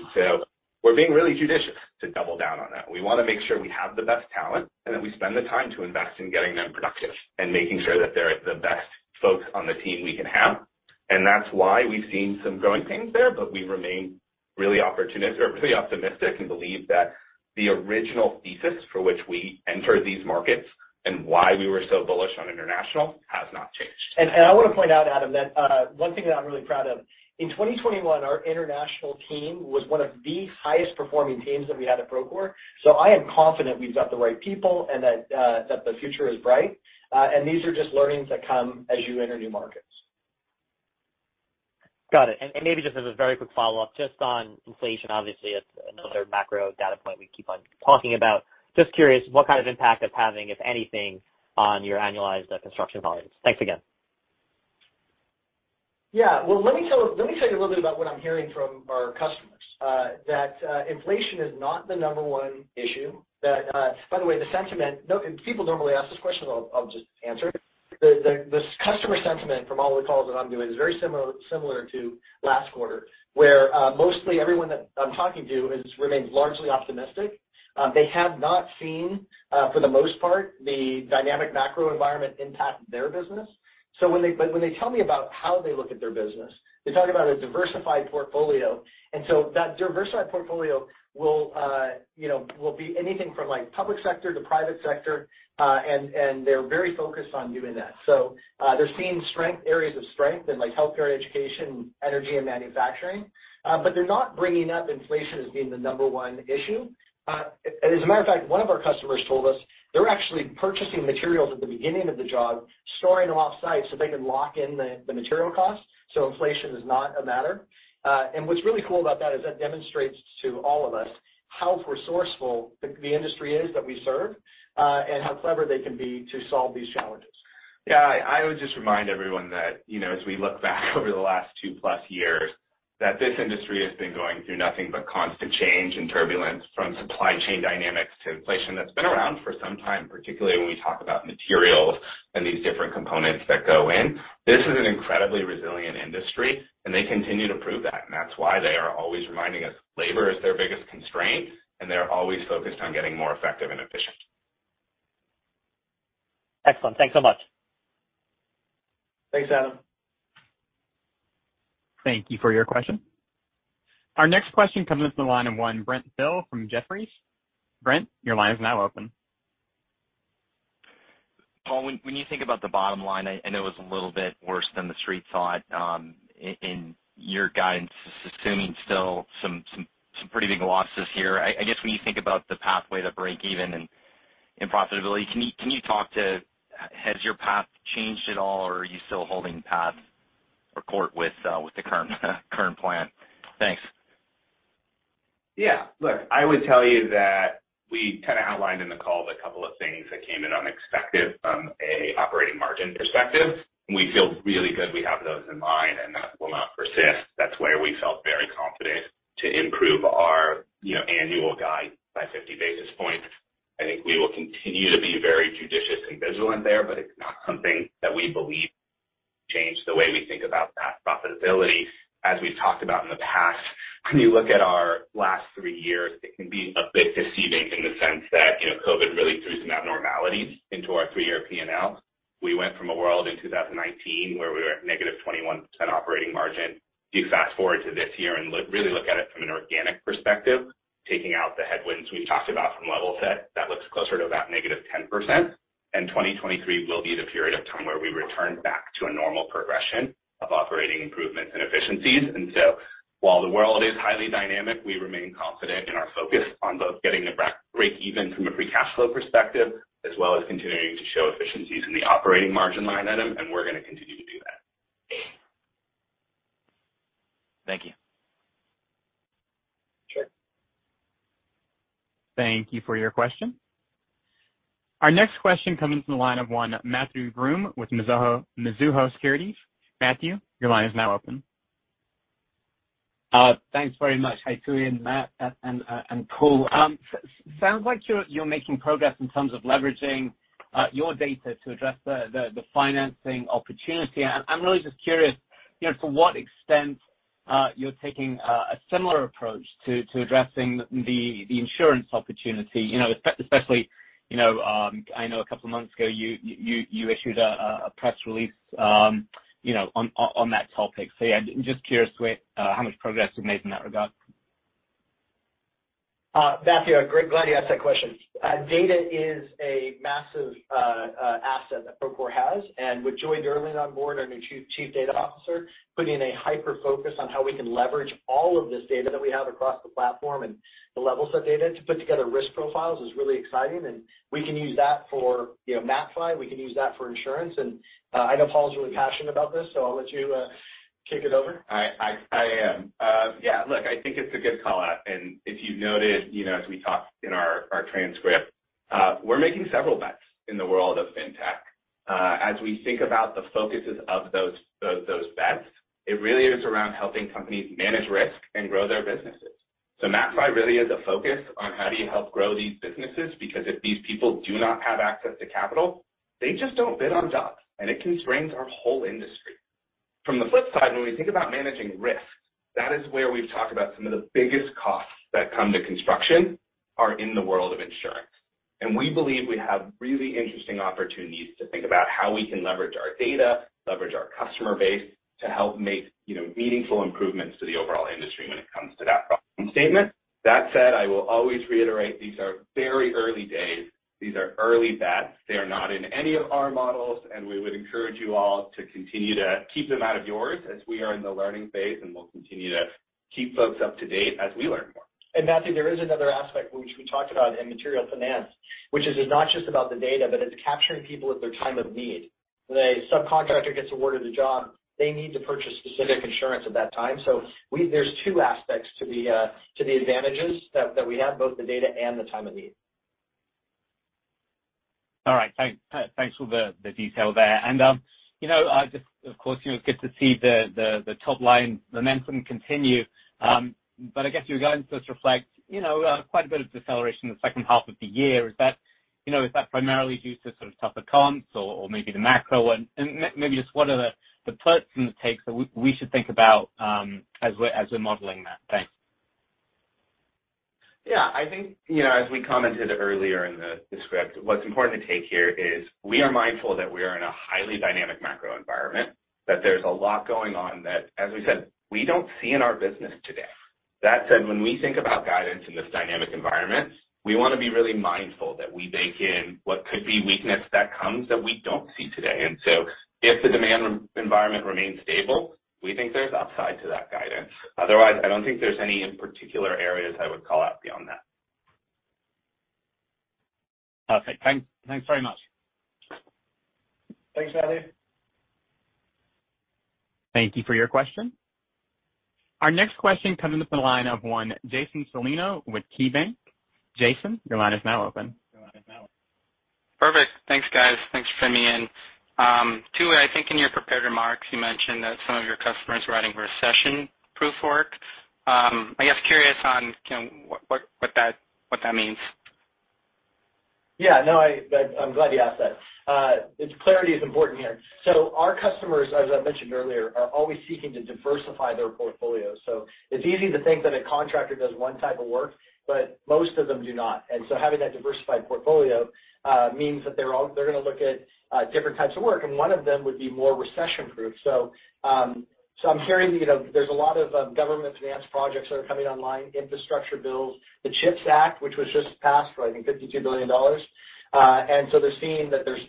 We're being really judicious to double down on that. We wanna make sure we have the best talent and that we spend the time to invest in getting them productive and making sure that they're the best folks on the team we can have. That's why we've seen some growing pains there. We remain really optimistic and believe that the original thesis for which we entered these markets and why we were so bullish on international I wanna point out, Adam, that one thing that I'm really proud of, in 2021, our international team was one of the highest performing teams that we had at Procore, so I am confident we've got the right people and that the future is bright. These are just learnings that come as you enter new markets. Got it. Maybe just as a very quick follow-up just on inflation, obviously it's another macro data point we keep on talking about. Just curious what kind of impact that's having, if anything, on your annualized construction volumes? Thanks again. Yeah. Well, let me tell you a little bit about what I'm hearing from our customers, that inflation is not the number one issue. By the way. No, if people normally ask this question, I'll just answer it. The customer sentiment from all the calls that I'm doing is very similar to last quarter, where mostly everyone that I'm talking to remains largely optimistic. They have not seen, for the most part, the dynamic macro environment impact their business. But when they tell me about how they look at their business, they talk about a diversified portfolio. That diversified portfolio will be anything from like public sector to private sector, and they're very focused on doing that. They're seeing strength, areas of strength in like healthcare, education, energy and manufacturing. They're not bringing up inflation as being the number one issue. As a matter of fact, one of our customers told us they're actually purchasing materials at the beginning of the job, storing them offsite, so they can lock in the material costs, so inflation is not a matter. What's really cool about that is that demonstrates to all of us how resourceful the industry is that we serve, and how clever they can be to solve these challenges. Yeah. I would just remind everyone that, you know, as we look back over the last 2+ years, that this industry has been going through nothing but constant change and turbulence from supply chain dynamics to inflation that's been around for some time, particularly when we talk about materials and these different components that go in. This is an incredibly resilient industry, and they continue to prove that, and that's why they are always reminding us labor is their biggest constraint, and they're always focused on getting more effective and efficient. Excellent. Thanks so much. Thanks, Adam. Thank you for your question. Our next question comes from the line of Brent Thill from Jefferies. Brent, your line is now open. Paul, when you think about the bottom line, I know it was a little bit worse than the street thought, and your guidance is assuming still some pretty big losses here. I guess when you think about the pathway to breakeven and profitability, can you talk to how has your path changed at all or are you still holding path or course with the current plan? Thanks. Yeah. Look, I would tell you that we kind of outlined in the call the couple of things that came in unexpected from a operating margin perspective. We feel really good we have those in mind, and that will not persist. That's where we felt very confident to improve our, you know, annual guide by 50 basis points. I think we will continue to be very judicious and vigilant there, but it's not something that we believe changed the way we think about that profitability. As we've talked about in the past, when you look at our last three years, it can be a bit deceiving in the sense that, you know, COVID really threw some abnormalities into our three-year P&L. We went from a world in 2019 where we were at negative 21% operating margin. You fast-forward to this year and look, really look at it from an organic perspective, taking out the headwinds we've talked about from Levelset, that looks closer to about -10%, and 2023 will be the period of time where we return back to a normal progression of operating improvements and efficiencies. While the world is highly dynamic, we remain confident in our focus on both getting to breakeven from a free cash flow perspective, as well as continuing to show efficiencies in the operating margin line item, and we're gonna continue to do that. Thank you. Sure. Thank you for your question. Our next question comes in the line of one Matthew Broome with Mizuho Securities. Matthew, your line is now open. Thanks very much. Hi, Tooey and Matthew and Paul. Sounds like you're making progress in terms of leveraging your data to address the financing opportunity. I'm really just curious, you know, to what extent you're taking a similar approach to addressing the insurance opportunity, you know, especially, you know, I know a couple months ago, you issued a press release, you know, on that topic. Yeah, just curious where, how much progress you've made in that regard. Matthew, I'm great. Glad you asked that question. Data is a massive asset that Procore has. With Joy Durling on board, our new Chief Data Officer, putting a hyper-focus on how we can leverage all of this data that we have across the platform and the Levelset data to put together risk profiles is really exciting. We can use that for, you know, myCOI. We can use that for insurance. I know Paul's really passionate about this, so I'll let you kick it over. I am. Yeah, look, I think it's a good call-out. If you've noted, you know, as we talked in our transcript, we're making several bets in the world of fintech. As we think about the focuses of those bets, it really is around helping companies manage risk and grow their businesses. myCOI really is a focus on how do you help grow these businesses, because if these people do not have access to capital, they just don't bid on jobs, and it constrains our whole industry. From the flip side, when we think about managing risk, that is where we've talked about some of the biggest costs that come to construction are in the world of insurance. We believe we have really interesting opportunities to think about how we can leverage our data, leverage our customer base to help make, you know, meaningful improvements to the overall industry when it comes to that problem statement. That said, I will always reiterate these are very early days. These are early bets. They are not in any of our models, and we would encourage you all to continue to keep them out of yours as we are in the learning phase, and we'll continue to keep folks up to date as we learn more. Matthew, there is another aspect which we talked about in Material Finance, which is it's not just about the data, but it's capturing people at their time of need. When a Subcontractor gets awarded a job, they need to purchase specific insurance at that time. There's two aspects to the advantages that we have, both the data and the time of need. All right. Thanks for the detail there. You know, just of course, you know, it's good to see the top line momentum continue. I guess your guidance does reflect, you know, quite a bit of deceleration in the second half of the year. Is that you know, is that primarily due to sort of tougher comps or maybe the macro one? Maybe just what are the puts and takes that we should think about as we're modeling that? Thanks. Yeah, I think, you know, as we commented earlier in the script, what's important to take here is we are mindful that we are in a highly dynamic macro environment, that there's a lot going on that, as we said, we don't see in our business today. That said, when we think about guidance in this dynamic environment, we wanna be really mindful that we bake in what could be weakness that comes we don't see today. If the demand environment remains stable, we think there's upside to that guidance. Otherwise, I don't think there's any particular areas I would call out beyond that. Perfect. Thanks very much. Thanks, Matthew. Thank you for your question. Our next question comes from the line of Jason Celino with KeyBanc. Jason, your line is now open. Perfect. Thanks, guys. Thanks for fitting me in. Tooey, I think in your prepared remarks, you mentioned that some of your customers were writing recession-proof work. I guess curious on, you know, what that means. Yeah, no, I'm glad you asked that. Clarity is important here. Our customers, as I mentioned earlier, are always seeking to diversify their portfolio. It's easy to think that a contractor does one type of work, but most of them do not. Having that diversified portfolio means that they're gonna look at different types of work, and one of them would be more recession-proof. I'm hearing, you know, there's a lot of government-financed projects that are coming online, infrastructure bills, the CHIPS Act, which was just passed for, I think, $52 billion. They're seeing that there's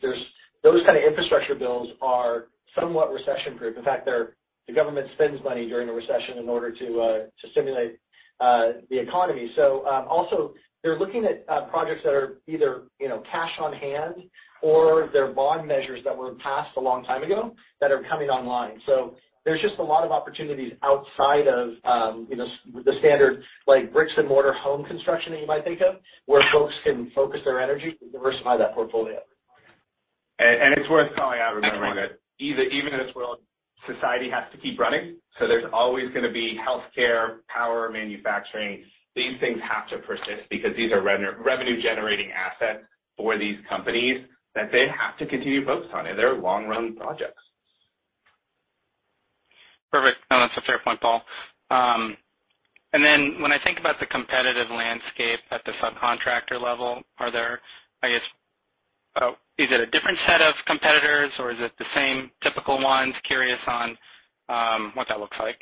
those kind of infrastructure bills are somewhat recession-proof. In fact, the government spends money during a recession in order to stimulate the economy. Also they're looking at projects that are either, you know, cash on hand or they're bond measures that were passed a long time ago that are coming online. There's just a lot of opportunities outside of, you know, the standard like bricks and mortar home construction that you might think of, where folks can focus their energy to diversify that portfolio. It's worth calling out and remembering that even in this world, society has to keep running. There's always gonna be healthcare, power, manufacturing. These things have to persist because these are revenue generating assets for these companies that they have to continue to focus on in their long-run projects. Perfect. No, that's a fair point, Paul. Then when I think about the competitive landscape at the Subcontractor level, are there, I guess, is it a different set of competitors or is it the same typical ones? Curious on what that looks like.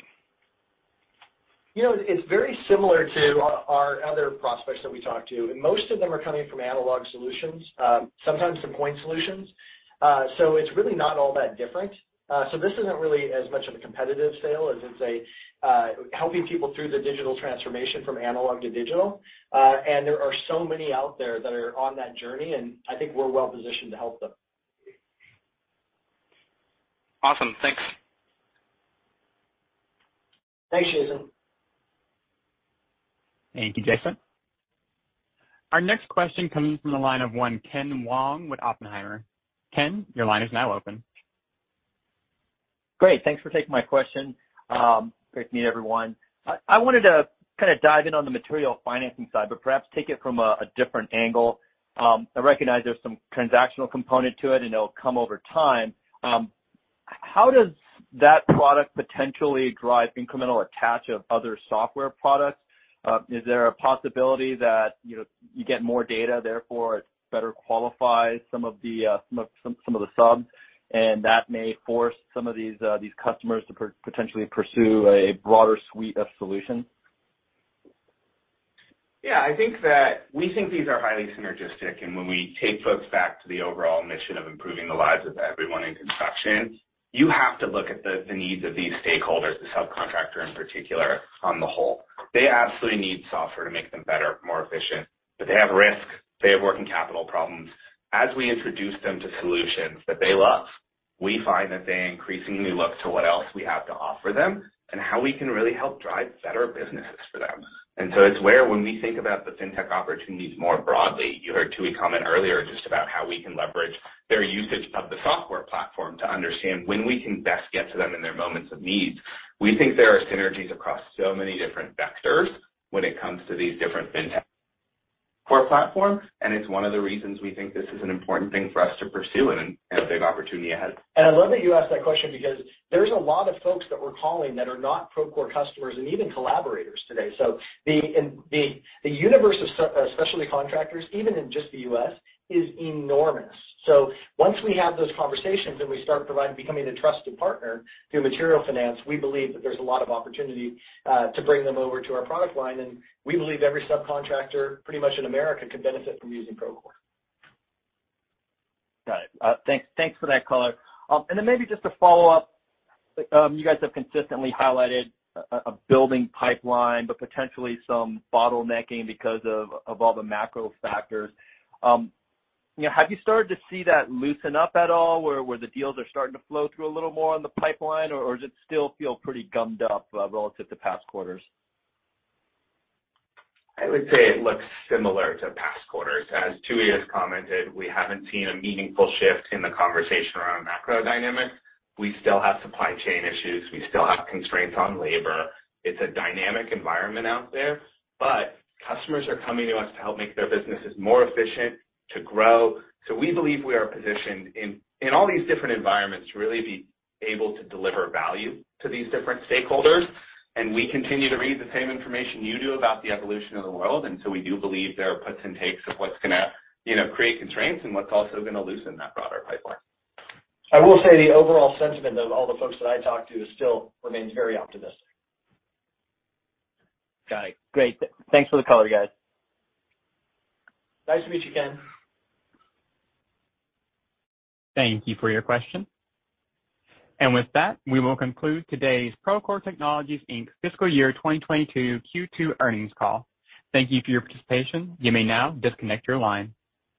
You know, it's very similar to our other prospects that we talk to. Most of them are coming from analog solutions, sometimes from point solutions. It's really not all that different. This isn't really as much of a competitive sale as it's a helping people through the digital transformation from analog to digital. There are so many out there that are on that journey, and I think we're well positioned to help them. Awesome. Thanks. Thanks, Jason. Thank you, Jason. Our next question comes from the line of Ken Wong with Oppenheimer. Ken, your line is now open. Great. Thanks for taking my question. Great to meet everyone. I wanted to kind of dive in on the material financing side, but perhaps take it from a different angle. I recognize there's some transactional component to it and it'll come over time. How does that product potentially drive incremental attach of other software products? Is there a possibility that, you know, you get more data, therefore it better qualifies some of the Subcontractors, and that may force some of these customers to potentially pursue a broader suite of solutions? Yeah. I think that we think these are highly synergistic. When we take folks back to the overall mission of improving the lives of everyone in construction, you have to look at the needs of these stakeholders, the Subcontractor in particular, on the whole. They absolutely need software to make them better, more efficient. They have risk, they have working capital problems. As we introduce them to solutions that they love, we find that they increasingly look to what else we have to offer them and how we can really help drive better businesses for them. It's where when we think about the fintech opportunities more broadly, you heard Tooey comment earlier just about how we can leverage their usage of the software platform to understand when we can best get to them in their moments of need. We think there are synergies across so many different vectors when it comes to these different fintech for our platform, and it's one of the reasons we think this is an important thing for us to pursue and a big opportunity ahead. I love that you asked that question because there's a lot of folks that we're calling that are not Procore customers and even collaborators today. The universe of Specialty Contractors, even in just the U.S., is enormous. Once we have those conversations and we start providing, becoming a trusted partner through Material Finance, we believe that there's a lot of opportunity to bring them over to our product line. We believe every Subcontractor pretty much in America could benefit from using Procore. Got it. Thanks for that color. Maybe just to follow up. You guys have consistently highlighted a building pipeline, but potentially some bottlenecking because of all the macro factors. You know, have you started to see that loosen up at all where the deals are starting to flow through a little more on the pipeline or does it still feel pretty gummed up relative to past quarters? I would say it looks similar to past quarters. As Tooey has commented, we haven't seen a meaningful shift in the conversation around macro dynamics. We still have supply chain issues. We still have constraints on labor. It's a dynamic environment out there, but customers are coming to us to help make their businesses more efficient, to grow. We believe we are positioned in all these different environments to really be able to deliver value to these different stakeholders. We continue to read the same information you do about the evolution of the world, and so we do believe there are puts and takes of what's gonna, you know, create constraints and what's also gonna loosen that broader pipeline. I will say the overall sentiment of all the folks that I talk to still remains very optimistic. Got it. Great. Thanks for the color, guys. Nice to meet you, Ken. Thank you for your question. With that, we will conclude today's Procore Technologies, Inc. fiscal year 2022 Q2 earnings call. Thank you for your participation. You may now disconnect your line.